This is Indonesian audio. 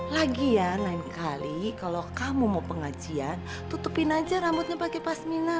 lagi ya lain kali kalau kamu mau pengajian tutupin aja rambutnya pakai pasmina